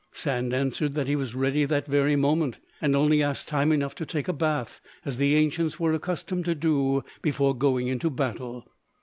Sand answered that he was ready that very moment, and only asked time enough to take a bath, as the ancients were accustomed to do before going into battle.